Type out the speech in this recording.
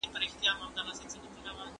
ناروغ ډاکټر ته اړتیا لري.